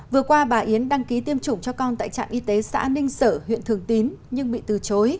vừa qua bà yến đăng ký tiêm chủng cho con tại trạm y tế xã ninh sở huyện thường tín nhưng bị từ chối